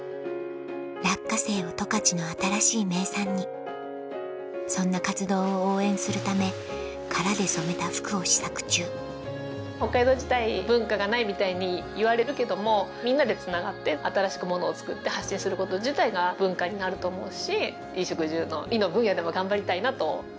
落花生を十勝の新しい名産にそんな活動を応援するため殻で染めた服を試作中北海道自体文化がないみたいにいわれるけどもみんなでつながって新しく物を作って発信すること自体が文化になると思うし衣食住の衣の分野でも頑張りたいなと。